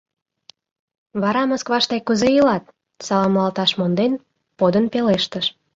— Вара Москваште кузе илат? — саламлалташ монден, подын пелештыш.